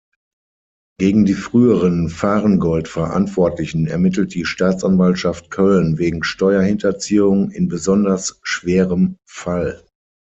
Gegen die früheren Varengold-Verantwortlichen ermittelt die Staatsanwaltschaft Köln wegen Steuerhinterziehung in besonders schwerem Fall.